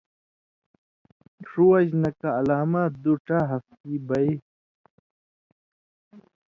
ݜُو وجہۡ نہ کہ علامات دُو ڇا ہفتی بئ